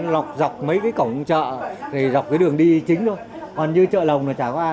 hoàn như chợ lồng là chả có ai